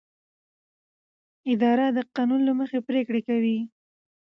اداره د قانون له مخې پریکړه کوي.